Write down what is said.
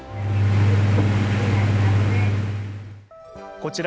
こちら